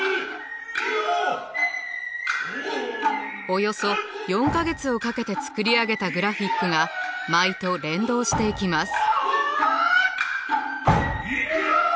およそ４か月をかけて作り上げたグラフィックが舞と連動していきます。